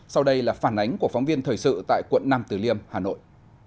sau đây là phản ánh của phóng viên thời sự tại quận năm từ liêm hà nội